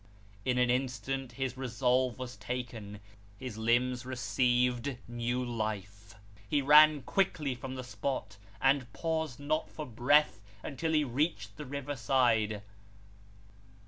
In an instant his 376 Sketches by Boz. resolve was taken, his limbs received new life ; he ran quickly from the spot, and paused not for breath until he reached the river side.